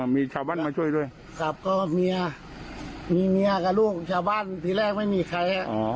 มีชาวบ้านมาช่วยด้วยครับก็เมียมีเมียกับลูกชาวบ้านทีแรกไม่มีใคร